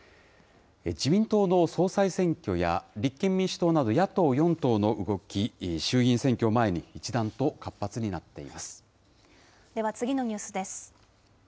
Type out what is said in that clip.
自民党の総裁選挙や、立憲民主党など野党４党の動き、衆議院選挙を前に一段と活発になでは次のニュースです。